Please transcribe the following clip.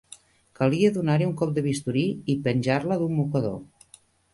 Calia donar-hi un cop de bisturí i penjar-la d'un mocador